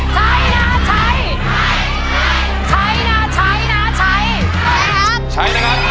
ใช้ใช้ใช้ใช้ใช้ใช้ใช้ใช้ใช้ใช้ใช้ใช้ใช้ใช้